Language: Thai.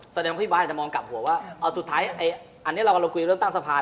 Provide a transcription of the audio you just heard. แสดงพี่บ๊าสจะมองกลับหัวว่าสุดท้ายอันนี้เราก็เริ่มตั้งสภา